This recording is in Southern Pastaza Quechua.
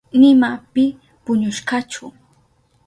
Nima pi puñushkachu.